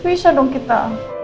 berarti puisa dong kita